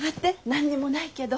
何にもないけど。